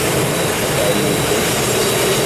তার মধ্যে,